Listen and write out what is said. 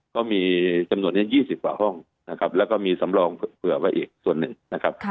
ก็มีจำนวนนี้๒๐กว่าห้องนะครับแล้วก็มีสำรองเผื่อไว้อีกส่วนหนึ่งนะครับ